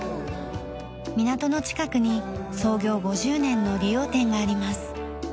港の近くに創業５０年の理容店があります。